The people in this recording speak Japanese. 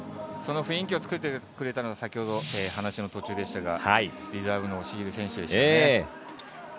その雰囲気を作ってくれたのが先ほど話の途中でしたがリザーブの押切選手でしょうね。